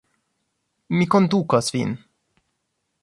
Mi kondukos vin.